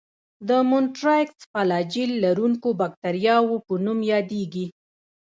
د مونټرایکس فلاجیل لرونکو باکتریاوو په نوم یادیږي.